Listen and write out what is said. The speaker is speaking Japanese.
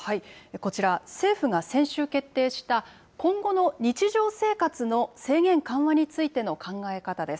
こちら、政府が先週決定した、今後の日常生活の制限緩和についての考え方です。